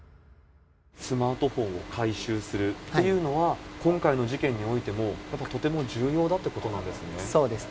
スマートフォンを回収するっていうのは、今回の事件においても、やっぱとても重要だってことなんですね。